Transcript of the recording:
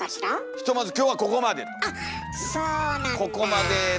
ひとまず今日はここまでと。